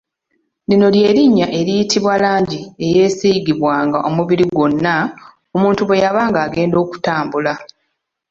Lino lye linnya eriyitibwa langi eyeesiigibwanga omubiri gwonna omuntu bwe yabanga agenda okutabaala.